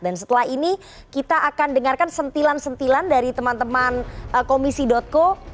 dan setelah ini kita akan dengarkan sentilan sentilan dari teman teman komisi co